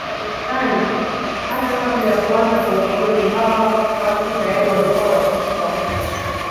sana hata kabla ya kuanza kwa ukoloni hawa watu tayari walikuwa wakiishi pamoja